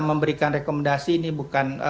memberikan rekomendasi ini bukan